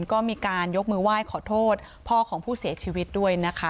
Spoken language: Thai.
ก็มีการยกมือไหว้ขอโทษพ่อของผู้เสียชีวิตด้วยนะคะ